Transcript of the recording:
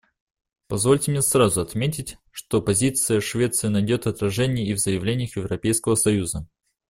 Позвольте мне сразу отметить, что позиция Швеции найдет отражение и в заявлениях Европейского союза.